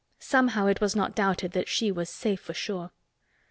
Somehow it was not doubted that she was "safe for sure."